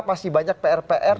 masih banyak pr pr